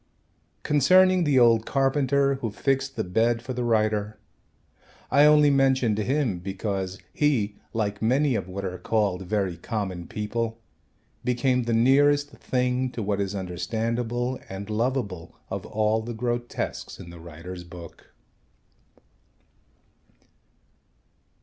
Concerning the old carpenter who fixed the bed for the writer, I only mentioned him because he, like many of what are called very common people, became the nearest thing to what is understandable and lovable of all the grotesques in the writer's book.